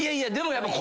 やっぱり。